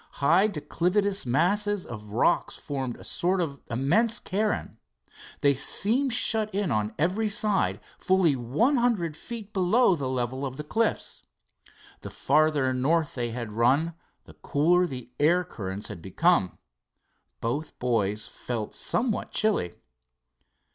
High declivitous, masses of rock formed a sort of immense cairn. They seemed shut in on every side, fully one hundred feet below the level of the cliffs. The farther north they had run the cooler air currents had become. Both boys felt somewhat chilly.